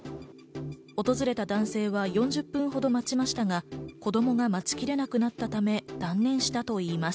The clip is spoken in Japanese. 訪れた男性は４０分ほど待ちましたが、子どもが待ちきれなくなったため断念したといいます。